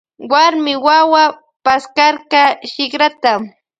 Warmi wawa paskarka shikrata.